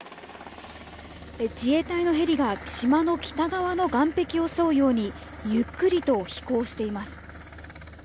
自衛隊のヘリが島の北側の岸壁を沿うようにゆっくりと飛行しています。